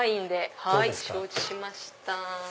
はい承知しました。